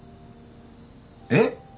えっ？